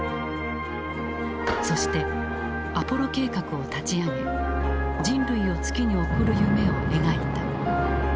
そしてアポロ計画を立ち上げ人類を月に送る夢を描いた。